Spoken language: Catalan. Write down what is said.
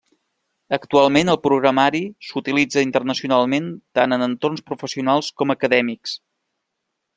Actualment el programari s'utilitza internacionalment tant en entorns professionals com acadèmics.